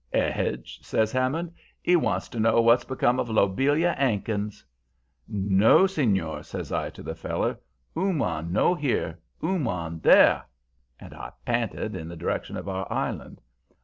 "''Edge,' says Hammond, ''e wants to know w'at's become of Lobelia 'Ankins.' "'No, senor,' says I to the feller; 'ooman no here. Ooman there!' And I p'inted in the direction of our island.